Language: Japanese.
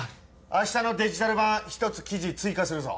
明日のデジタル版１つ記事追加するぞ。